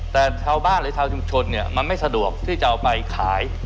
แต่ชาวบ้านหรือชาวชุมชนเนี่ยมันไม่สะดวกที่จะเอาไปขาย